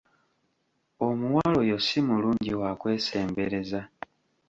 Omuwala oyo si mulungi wakwesembereza.